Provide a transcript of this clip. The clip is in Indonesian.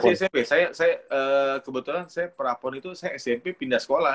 di smp kebetulan saya prapon itu saya smp pindah sekolah